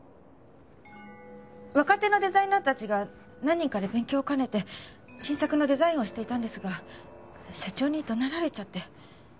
若手のデザイナーたちが何人かで勉強を兼ねて新作のデザインをしていたんですが社長に怒鳴られちゃって。